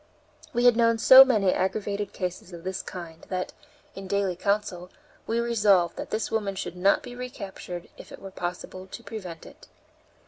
We had known so many aggravated cases of this kind that, in daily counsel, we resolved that this woman should not be recaptured if it were possible to prevent it.